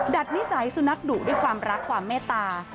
นิสัยสุนัขดุด้วยความรักความเมตตา